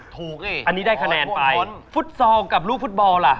ถูกสิอันนี้ได้คะแนนไปพุทซลากับลูกฟุตบอลั